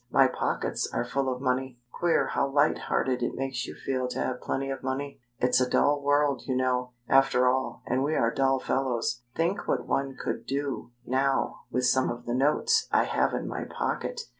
My pockets are full of money. Queer how light hearted it makes you feel to have plenty of money. It's a dull world, you know, after all, and we are dull fellows. Think what one could do, now, with some of the notes I have in my pocket!